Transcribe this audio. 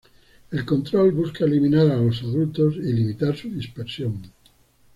El control busca eliminar a los adultos y limitar su dispersión.